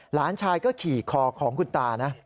หลานชายก็ขี่คอของคุณตานะ